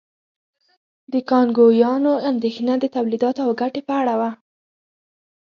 د کانګویانو اندېښنه د تولیداتو او ګټې په اړه وه.